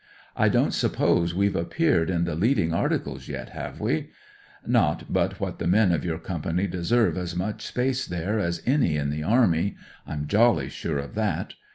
I don't suppose we've appeared in the leading articles yet, have we ? Not but what the men of your Company deserve as much space there as any in the Army ; I'm jolly sure of that.